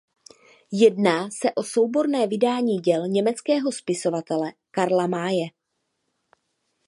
Jedná se o souborné vydání děl německého spisovatele Karla Maye.